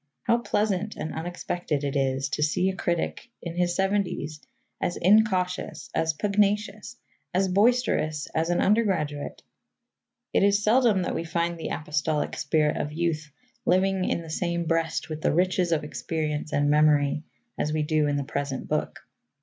How pleasant and unexpected it is to see a critic in his seventies as incautious, as pugnacious, as boisterous as an undergraduate! It is seldom that we find the apostolic spirit of youth living in the same breast with the riches of experience and memory, as we do in the present book.